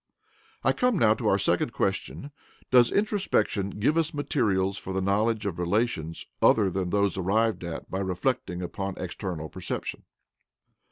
I come now to our second question: Does introspection give us materials for the knowledge of relations other than those arrived at by reflecting upon external perception?